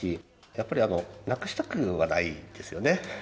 やっぱり、なくしたくはないですよね。